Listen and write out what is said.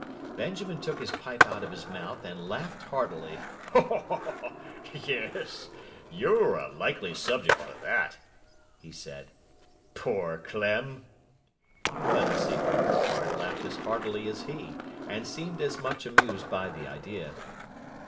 Benjamin took his pipe out of his mouth and laughed heartily. 'Yes! you're a likely subject for that!' he said. 'Poor Clem!' Clemency for her part laughed as heartily as he, and seemed as much amused by the idea.